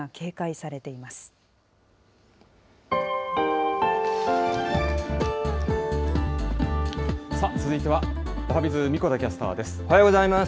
さあ続いては、おはＢｉｚ、神子田キャスターです。